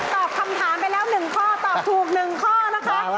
ตอบคำถามไปแล้วหนึ่งข้อตอบถูกหนึ่งข้อนะคะ